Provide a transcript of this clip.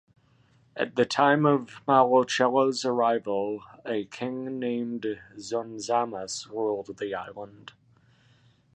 At the time of Malocello's arrival, a king named Zonzamas ruled the island.